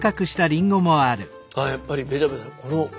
ああやっぱりベタベタ。